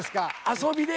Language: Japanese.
遊びで。